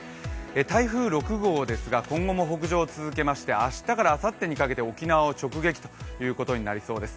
台風６号ですが今後も北上を続けまして明日からあさってにかけて沖縄を直撃ということになりそうです。